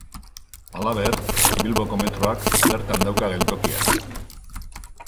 Halaber, Bilboko metroak bertan dauka geltokia.